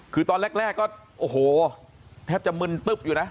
คือตอนแรกก็โอ้โหแทบจะมึนตึ๊บอยู่นะ